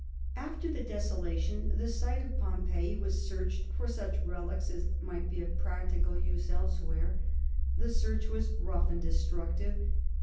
After the desolation, the site of Pompeii was searched for such relics as might be of practical use elsewhere. The search was rough and destructive.